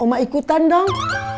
omah ikutan dong